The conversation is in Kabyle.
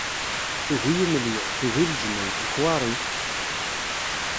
Tugi imelyan, tugi leǧnan, leḥwari...